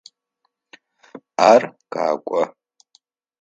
Ар къэкӏо.